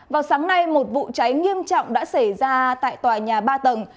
vào sáng nay một vụ cháy nghiêm trọng đã xảy ra tại tòa nhà ba tầng